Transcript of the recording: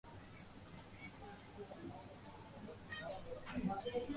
মিছিল চলাকালে ক্ষুব্ধ সাধারণ ছাত্রদের একটি পক্ষ শিবিরনিয়ন্ত্রিত কক্ষ ভাঙচুর করে।